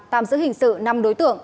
tạm giữ hình sự năm đối tượng